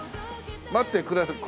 待ってください。